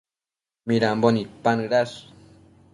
Midambo nidpanëdash?